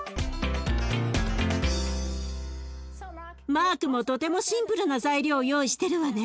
マークもとてもシンプルな材料を用意してるわね。